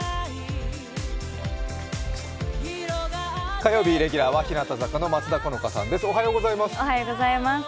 火曜日、レギュラーは日向坂の松田好花さんです、おはようございます。